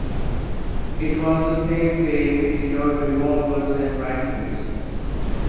It was the same way with our revolvers and rifles.